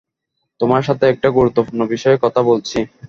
তোমার সাথে একটা গুরুত্বপূর্ণ বিষয়ে কথা বলছি।